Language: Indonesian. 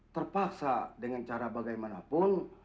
terpaksa dengan cara bagaimanapun